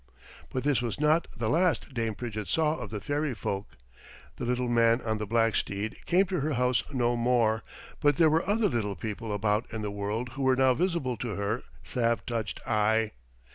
But this was not the last Dame Pridgett saw of the fairy folk. The little man on the black steed came to her house no more, but there were other little people about in the world who were now visible to her salve touched eye.